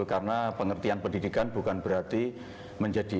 karena pengertian pendidikan bukan berarti